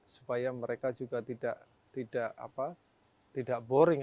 supaya mereka juga tidak boring